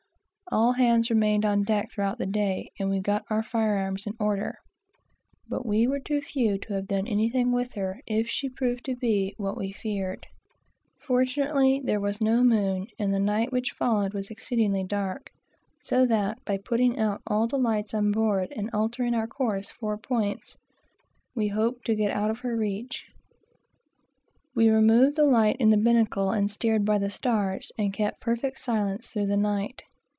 All hands remained on deck throughout the day, and we got our arms in order; but we were too few to have done anything with her, if she had proved to be what we feared. Fortunately there was no moon, and the night which followed was exceedingly dark, so that by putting out all the lights and altering our course four points, we hoped to get out of her reach. We had no light in the binnacle, but steered by the stars, and kept perfect silence through the night.